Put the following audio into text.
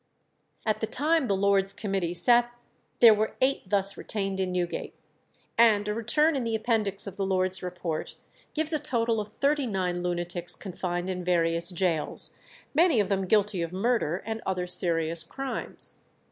At the time the Lords' Committee sat there were eight thus retained in Newgate, and a return in the appendix of the Lords' report gives a total of thirty nine lunatics confined in various gaols, many of them guilty of murder and other serious crimes.